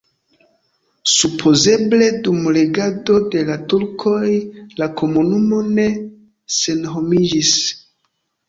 Supozeble dum regado de la turkoj la komunumo ne senhomiĝis.